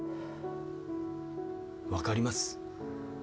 わかります。